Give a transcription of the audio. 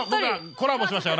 コラボしましたよ